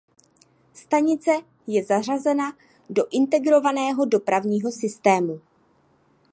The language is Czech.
Stanice je zařazena do integrovaného dopravního systému.